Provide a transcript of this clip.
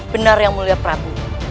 benar yang mulia prabu